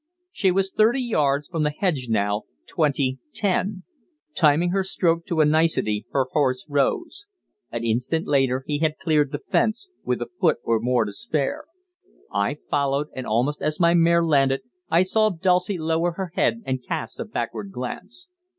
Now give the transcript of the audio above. She was thirty yards from the hedge now twenty ten. Timing his stroke to a nicety her horse rose. An instant later he had cleared the fence, with a foot or more to spare. I followed, and almost as my mare landed I saw Dulcie lower her head and cast a backward glance.